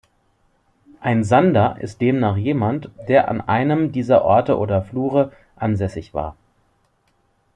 Ein Sander ist demnach jemand, der an einem dieser Orte oder Flure ansässig war.